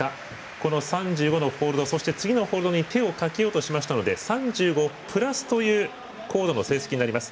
この３５のホールド、そして次のホールドに手を掛けようとしましたので３５＋という高度の成績になります。